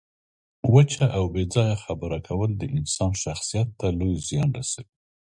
وچه او بې ځایه خبره کول د انسان شخصیت ته لوی زیان رسوي.